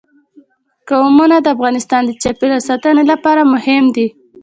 قومونه د افغانستان د چاپیریال ساتنې لپاره مهم دي.